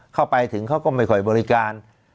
เข้าไปถึงเขาก็ไม่ค่อยบริการ